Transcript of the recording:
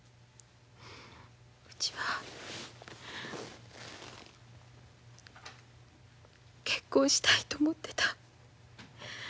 うちは結婚したいと思てた。